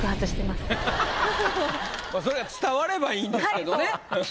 まあそれが伝わればいいんですけどね。